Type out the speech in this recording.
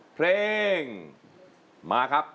เพลงมาครับ